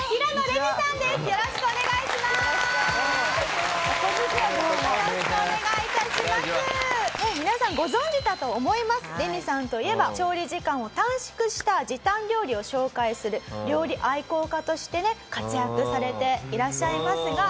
レミさんといえば調理時間を短縮した時短料理を紹介する料理愛好家としてね活躍されていらっしゃいますが。